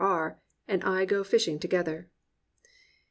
R. and I go a fishing together."